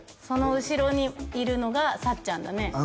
その後ろにいるのがさっちゃんだね